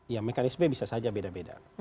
ya mekanisme bisa saja beda beda